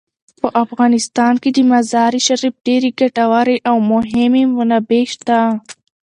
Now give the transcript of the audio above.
په افغانستان کې د مزارشریف ډیرې ګټورې او مهمې منابع شته.